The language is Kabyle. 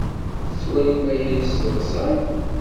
Tettwalim aya yesseḍsay?